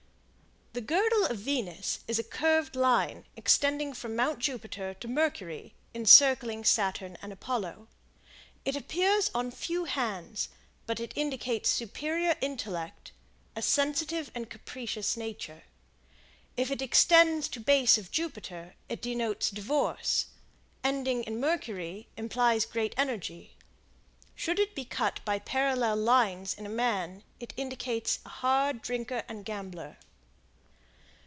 The Girdle of Venus is a curved line extending from Mount Jupiter to Mercury, encircling Saturn and Apollo. It appears on few hands, but it indicates superior intellect, a sensitive and capricious nature; if it extends to base of Jupiter it denotes divorce; ending in Mercury, implies great energy; should it be cut by parallel lines in a man, it indicates a hard drinker and gambler.